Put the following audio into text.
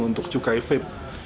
untuk cukai vape